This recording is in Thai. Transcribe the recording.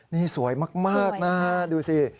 นี่สวยมากนะฮะดูสิ